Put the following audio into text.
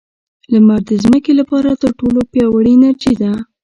• لمر د ځمکې لپاره تر ټولو پیاوړې انرژي ده.